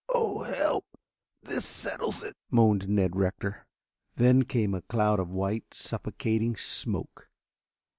"Oh, help! This settles it!" moaned Ned Rector. Then came a cloud of white, suffocating smoke.